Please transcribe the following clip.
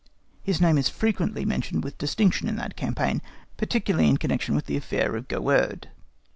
His name is frequently mentioned with distinction in that campaign, particularly in connection with the affair of Goehrde.